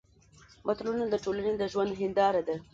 متلونه د ټولنې د ژوند هېنداره ده